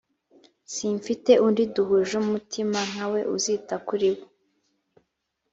simfite undi duhuje umutima nka we uzita kuri bo